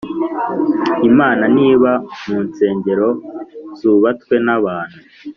Imana ntiba mu nsengero zubatswe n abantu